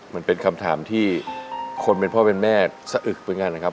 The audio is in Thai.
มันเป็นคำถามที่คนเป็นพ่อเป็นแม่สะอึกเหมือนกันนะครับ